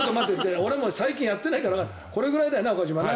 俺も最近やってないからこれぐらいだよな、岡島。